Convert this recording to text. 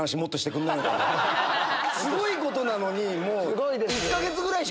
すごいことなのに。